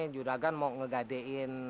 juragan mau ngegadein